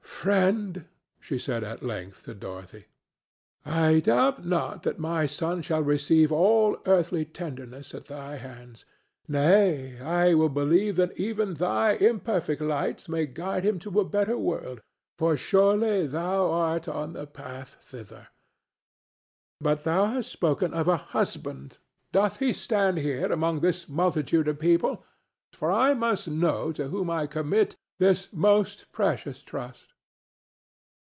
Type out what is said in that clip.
"Friend," she said, at length, to Dorothy, "I doubt not that my son shall receive all earthly tenderness at thy hands. Nay, I will believe that even thy imperfect lights may guide him to a better world, for surely thou art on the path thither. But thou hast spoken of a husband. Doth he stand here among this multitude of people? Let him come forth, for I must know to whom I commit this most precious trust."